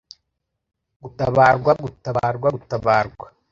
gutabarwa, gutabarwa, gutabarwa